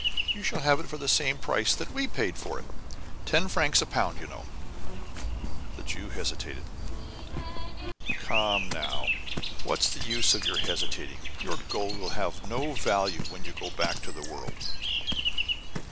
You shall have it for the same price that we paid for it. Ten francs a pound, you know." The Jew hesitated. "Come now, what is the use of your hesitating? Your gold will have no value when you go back to the world."